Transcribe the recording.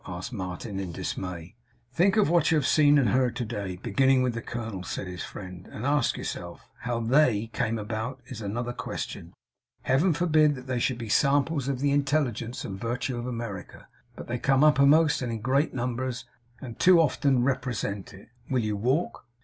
asked Martin, in dismay. 'Think of what you have seen and heard to day, beginning with the colonel,' said his friend, 'and ask yourself. How THEY came about, is another question. Heaven forbid that they should be samples of the intelligence and virtue of America, but they come uppermost, and in great numbers, and too often represent it. Will you walk?